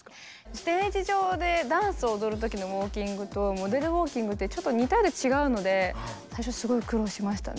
ステージ上でダンスを踊る時のウォーキングとモデルウォーキングってちょっと似たようで違うので最初すごい苦労しましたね。